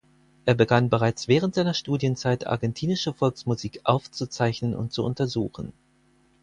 Er begann bereits während seiner Studienzeit argentinische Volksmusik aufzuzeichnen und zu untersuchen.